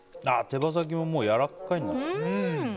手羽先ももうやわらかいんだ。